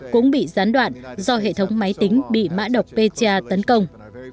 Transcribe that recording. cũng bị gián đoạn do hệ thống máy tính bị mã độc peta tấn công